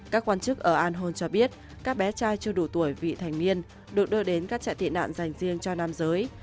các quan chức ở an hôn cho biết các bé trai chưa đủ tuổi vì thành niên được đưa đến các trại tị nạn dành riêng cho nam giới